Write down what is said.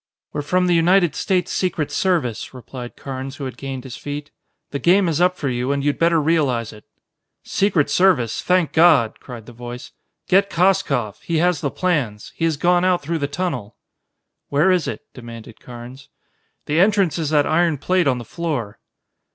"We're from the United States Secret Service," replied Carnes who had gained his feet. "The game is up for you, and you'd better realize it." "Secret Service! Thank God!" cried the voice. "Get Koskoff he has the plans. He has gone out through the tunnel!" "Where is it?" demanded Carnes. "The entrance is that iron plate on the floor."